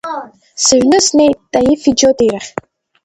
Сыҩны снеит Таифи Џьотеи рахь.